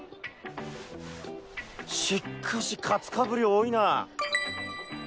しっかしカツかぶり多いな。